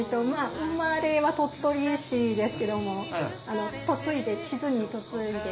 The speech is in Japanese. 生まれは鳥取市ですけども智頭に嫁いで。